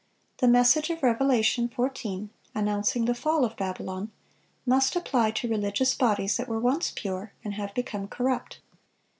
The message of Revelation 14, announcing the fall of Babylon, must apply to religious bodies that were once pure and have become corrupt.